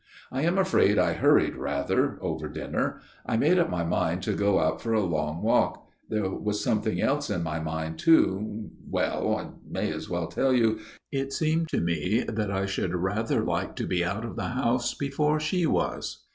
I am afraid I hurried rather over dinner. I made up my mind to go out for a long walk ; there was something else in my mind too well I may as well tell you it seemed to me that I should rather like to be out of the house before she was.